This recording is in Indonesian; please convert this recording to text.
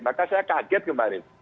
maka saya kaget kemarin